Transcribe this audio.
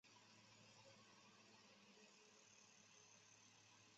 这样背景估计从视频序列的第二帧就有效了。